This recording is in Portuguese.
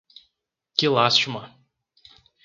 Que lástima!